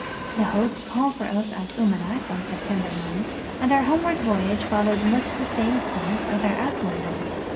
The Hope called for us at Umanak on September 9, and our homeward voyage followed much the same course as our out ward one.